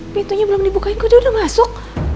pintunya belum dibukain gue udah masuk